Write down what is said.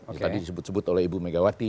yang tadi disebut sebut oleh ibu megawati